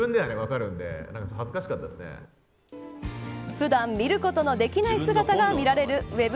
普段、見ることのできない姿が見られるウェブ